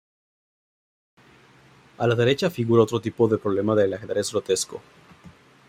A la derecha figura otro tipo de problema del ajedrez grotesco.